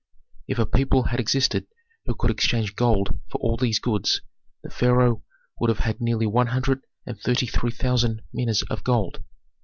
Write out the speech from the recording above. If a people had existed who could exchange gold for all these goods, the pharaoh would have had yearly one hundred and thirty three thousand minas of gold.